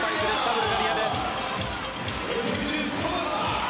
ブルガリアです。